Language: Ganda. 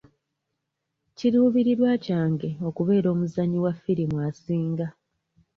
Kiruubirirwa kyange okubeera omuzannyi wa ffirimu asinga.